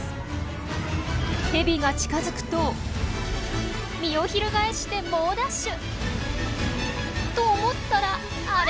ヘビが近づくと身を翻して猛ダッシュ！と思ったらあれ？